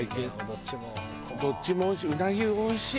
どっちもおいしい。